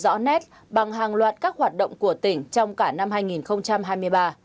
điều này được thể hiện rõ nét bằng hàng loạt các hoạt động của tỉnh trong cả năm hai nghìn hai mươi ba